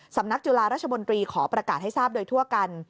สำนักจุฬาราชมนตรีขอประกาศให้ทราบโดยทั่วกัน